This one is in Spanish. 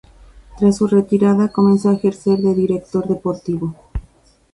Tras su retirada comenzó a ejercer de director deportivo.